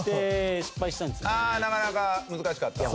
なかなか難しかった？